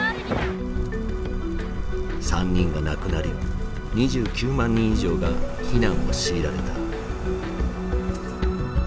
３人が亡くなり２９万人以上が避難を強いられた。